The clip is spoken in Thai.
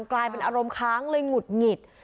กลายเป็นอารมณ์ค้างเลยหงุดหงิด